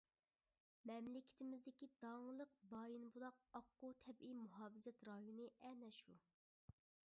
مەملىكىتىمىزدىكى داڭلىق بايىنبۇلاق ئاققۇ تەبىئىي مۇھاپىزەت رايونى ئەنە شۇ.